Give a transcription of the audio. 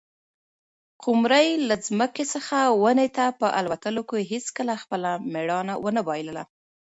قمرۍ له ځمکې څخه ونې ته په الوتلو کې هیڅکله خپله مړانه ونه بایلله.